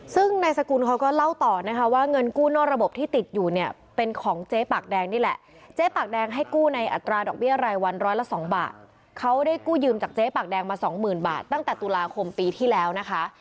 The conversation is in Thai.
ซึ่งนายสกุลเขาก็เล่าต่อนะคะว่าเงินกู้นอกระบบที่ติดอยู่เนี่ยเป็นของเจ๊ปากแดงนี่แหละเจ๊ปากแดงให้กู้ในอัตราดอกเบี้ยรายวันร้อยละสองบาทเขาได้กู้ยืมจากเจ๊ปากแดงมาสองหมื่นบาทตั้งแต่ตุลาคมปีที่แล้วนะคะ